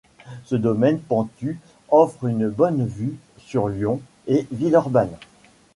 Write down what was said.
Ce domaine pentu offre une bonne vue sur Lyon et Villeurbanne.